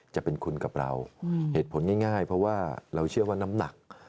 จะเป็นคุณกับเราเหตุผลง่ายเพราะว่าเราเชื่อว่าน้ำหนัก